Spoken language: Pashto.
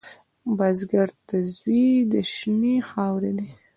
بزګر ته زوی د شنې خاورې دی